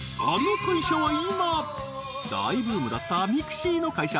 大ブームだったｍｉｘｉの会社